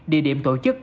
địa điểm tổ chức